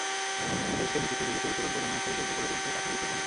দেশকে নেতৃত্ব দেবে সেই তরুণ প্রজন্মকে যোগ্য করে তুলতে পাঠের বিকল্প নেই।